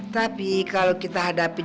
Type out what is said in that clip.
tapi kalau kita hadapi dengan setan